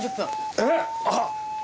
えっあっ！